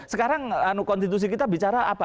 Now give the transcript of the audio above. sekarang konstitusi kita bicara apa